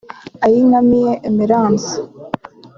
Ayinkamiye Emerence